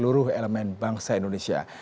seluruh elemen bangsa indonesia